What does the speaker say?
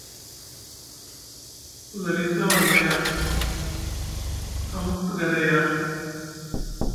Zalita marmaya, amuku te ga ɗa ya?